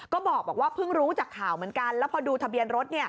ก็บอกว่าเพิ่งรู้จากข่าวเหมือนกันแล้วพอดูทะเบียนรถ